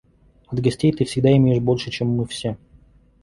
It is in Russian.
От гостей ты всегда имеешь больше, чем мы все